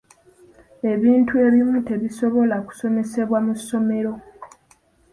Ebintu ebimu tebisobola kusomesebwa mu ssomero.